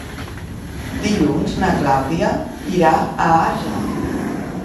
Dilluns na Clàudia irà a Àger.